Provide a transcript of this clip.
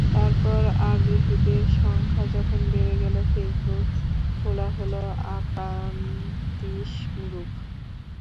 তারপর আগ্রহীদের সংখ্যা যখন বেড়ে গেল, ফেসবুকে খোলা হলো আঁকান্তিস গ্রুপ।